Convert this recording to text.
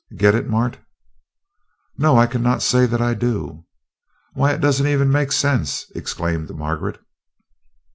Get it, Mart?" "No, I cannot say that I do." "Why, it doesn't even make sense!" exclaimed Margaret.